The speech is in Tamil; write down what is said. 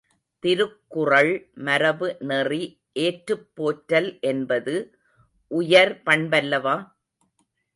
திருக்குறள் மரபுநெறி ஏற்றுப் போற்றல் என்பது உயர் பண்பல்லவா?